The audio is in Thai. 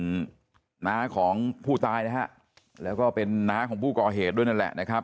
เป็นน้าของผู้ตายนะฮะแล้วก็เป็นน้าของผู้ก่อเหตุด้วยนั่นแหละนะครับ